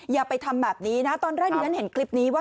อย่าไปทำแบบนี้นะตอนแรกที่ฉันเห็นคลิปนี้ว่า